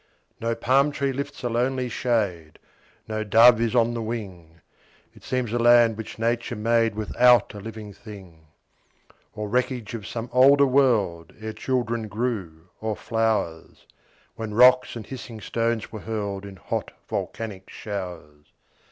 No palm tree lifts a lonely shade, No dove is on the wing; It seems a land which Nature made Without a living thing, Or wreckage of some older world, Ere children grew, or flowers, When rocks and hissing stones were hurled In hot, volcanic showers.